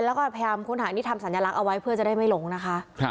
แล้วก็พยายามค้นหานี่ทำสัญลักษณ์เอาไว้เพื่อจะได้ไม่หลงนะคะ